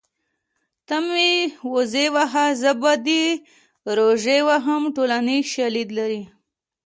ته مې وزې وهه زه به دې روژې وهم ټولنیز شالید لري